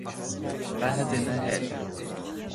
Beatha duine a thoil.